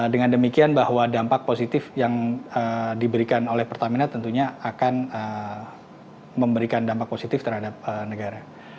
dengan demikian bahwa dampak positif yang diberikan oleh pertamina tentunya akan memberikan dampak positif terhadap negara